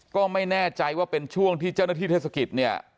ก็ไม่แน่ใจว่าเป็นช่วงที่เจ้าหน้าที่เทศกิจเนี่ย